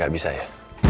gak bisa ya